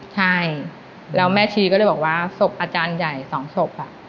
ใช่แล้วแม่ชีก็เลยบอกว่าศพอาจารย์ใหญ่๒ศพ